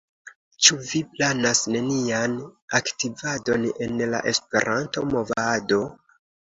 Ĉu vi planas nenian aktivadon en la Esperanto-movado?